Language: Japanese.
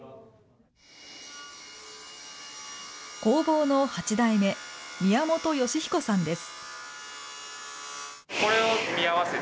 工房の８代目、宮本芳彦さんです。